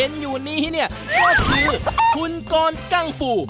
เห็นอยู่นี้เนี่ยก็คือคุณกรกั้งฟู